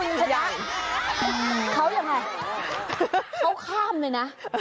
แล้วคุณฉะนั้นเขายังไงเขาข้ามเลยนะ